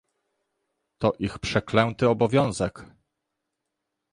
To ich przeklęty obowiązek!